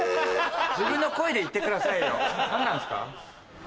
自分の声で言ってくださいよ何なんすか？